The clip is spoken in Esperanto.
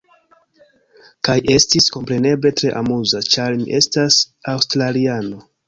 Kaj estis, kompreneble tre amuza ĉar mi estas aŭstraliano.